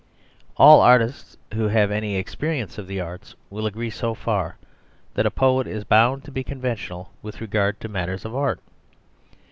All artists, who have any experience of the arts, will agree so far, that a poet is bound to be conventional with regard to matters of art.